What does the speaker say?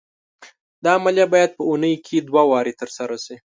دا عملیه باید په اونۍ کې دوه وارې تر سره شي.